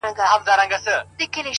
• آسمانه ما خو داسي نه ویله,